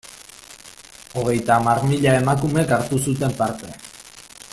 Hogeita hamar mila emakumek hartu zuten parte.